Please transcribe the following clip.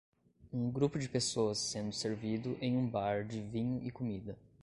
Um grupo de pessoas sendo servido em um bar de vinho e comida